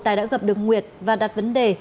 tài đã gặp được nguyệt và đặt vấn đề